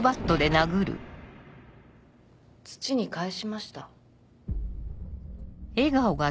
土に還しました。